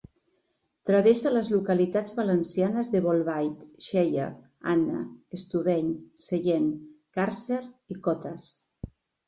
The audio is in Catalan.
Travessa les localitats valencianes de Bolbait, Xella, Anna, Estubeny, Sellent, Càrcer i Cotes.